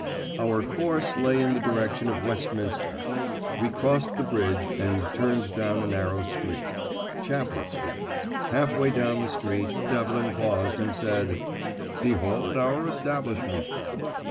Our course lay in the direction of Westminster. We crossed the bridge, and turned down a narrow street. Chapel Street. Half way down the street Devlin paused, and said, "Behold our establishment."